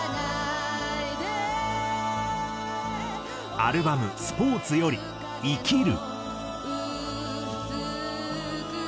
アルバム『スポーツ』より『生きる』。